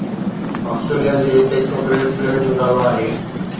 Australia جي tectonic plate جو نالو آهي